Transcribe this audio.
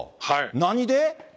何で？